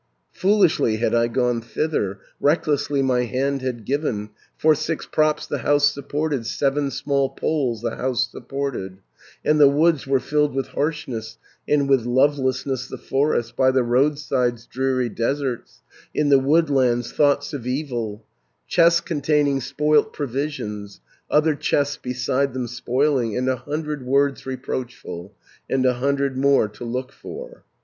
"Foolishly had I gone thither, Recklessly my hand had given, 550 For six props the house supported, Seven small poles the house supported, And the woods were filled with harshness, And with lovelessness the forests, By the roadsides dreary deserts, In the woodlands thoughts of evil, Chests containing spoilt provisions, Other chests beside them spoiling; And a hundred words reproachful, And a hundred more to look for.